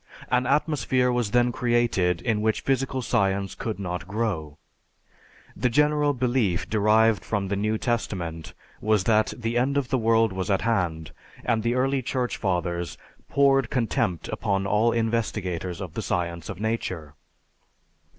An atmosphere was then created in which physical science could not grow. The general belief derived from the New Testament was that the end of the world was at hand, and the early Church Fathers poured contempt upon all investigators of the science of nature.